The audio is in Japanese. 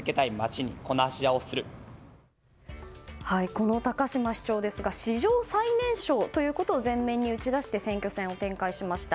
この高島市長ですが史上最年少ということを前面に打ち出して選挙戦を展開しました。